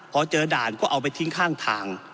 พอเจอด่านก็เอาไปทิ้งข้างทาง